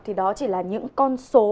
thì đó chỉ là những con số